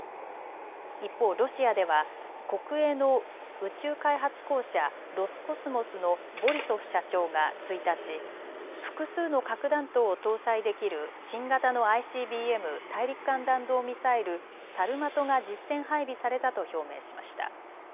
一方、ロシアでは国営の宇宙開発公社、ロスコスモスのボリソフ社長が１日、複数の核弾頭を搭載できる新型のＩＣＢＭ・大陸間弾道ミサイル、サルマトが実戦配備されたと表明しました。